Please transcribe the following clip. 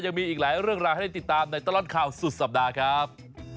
ยังมีอีกหลายเรื่องราวให้ได้ติดตามในตลอดข่าวสุดสัปดาห์ครับ